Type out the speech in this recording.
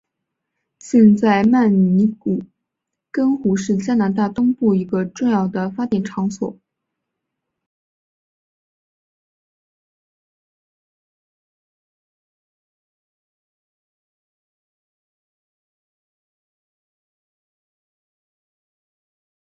现在曼尼古根湖是加拿大东部一个重要的发电场所。